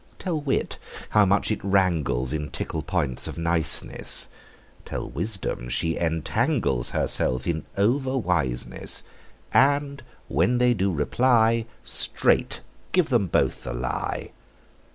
Tell wit how much it wrangles In fickle points of niceness; Tell wisdom she entangles Herself in over wiseness: And when they do reply, Straight give them both the lie.